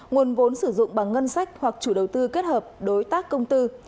nguồn vốn sử dụng bằng ngân sách hoặc chủ đầu tư kết hợp đối tác công tư